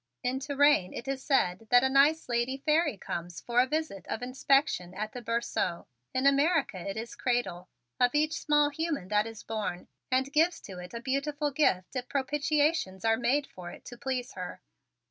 In Touraine it is said that a nice lady fairy comes for a visit of inspection at the berceau in America it is cradle of each small human that is born, and gives to it a beautiful gift if propitiations are made for it to please her.